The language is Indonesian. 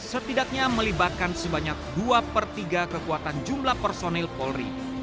setidaknya melibatkan sebanyak dua per tiga kekuatan jumlah personil polri